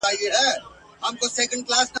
یوه جاهل مي، د خپلي کورنۍ تربیې له برکته !.